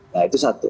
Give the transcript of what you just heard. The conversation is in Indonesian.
nah itu satu